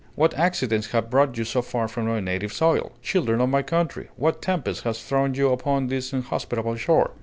What accidents have brought you so far from our native soil? Children of my country, what tempest has thrown you upon this inhospitable shore?"